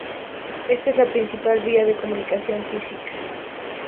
Esta es la principal vía de comunicación física.